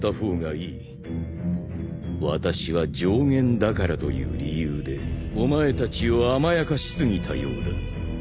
私は上弦だからという理由でお前たちを甘やかしすぎたようだ。